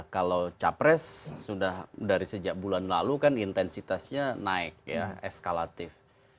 kalau capres sudah dari sejak bulan lalu kan intensitasnya naik ya eskalatif